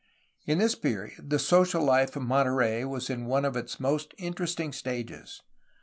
In this period the social life of Monterey was in one of its most interesting stages.